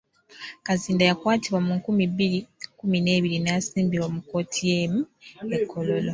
Kazinda yakwatibwa mu nkumi bbiri kumi n'ebiri n'asimbibwa mu kkooti yeemu e Kololo.